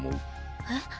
えっ？